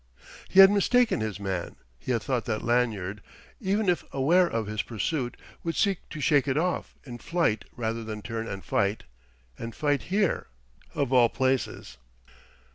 He had mistaken his man; he had thought that Lanyard, even if aware of his pursuit, would seek to shake it off in flight rather than turn and fight and fight here, of all places!